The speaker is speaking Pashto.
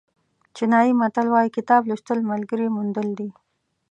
چینایي متل وایي کتاب لوستل ملګري موندل دي.